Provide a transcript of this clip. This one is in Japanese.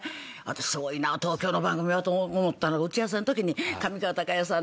すごいな東京の番組はと思ったのが打ち合わせのとき上川隆也さん